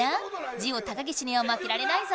ジオ高岸には負けられないぞ！